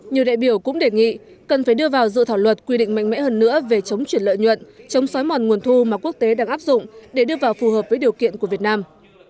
nhiều đại biểu cũng đề nghị cần phải đưa vào dự thảo luật quy định mạnh mẽ hơn nữa về chống chuyển lợi nhuận chống xói mòn nguồn thu mà quốc tế đang áp dụng để đưa vào phù hợp với điều kiện của việt nam